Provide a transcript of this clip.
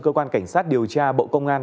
cơ quan cảnh sát điều tra bộ công an